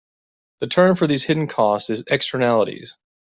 The term for these hidden costs is "Externalities".